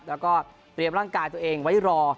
แล้วก็เตรียมร่างกายตัวเองไว้รอ